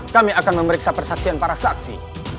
kami akan memeriksa persaksian para saksi